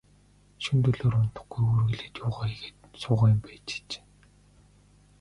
Шөнө дөлөөр унтахгүй, үүрэглээд юугаа хийгээд суугаа юм бэ, чи чинь.